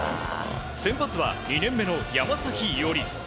先発は２年目の山崎伊織。